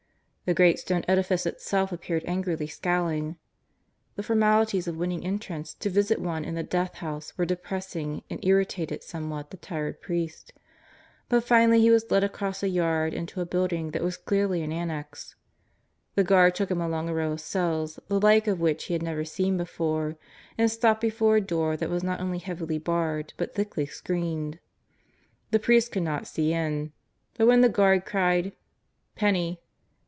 The great stone edifice itself appeared angrily scowling. The formalities of winning entrance to visit one in the Death House were depressing and irritated somewhat the tired priest. But finally he was led across a yard into a building that was clearly an annex. The guard took him along a row of cells the like of which he had never seen before, and stopped before a door that was not only heavily barred but thickly screened. The priest could not see in. But when the guard cried: "Penney!"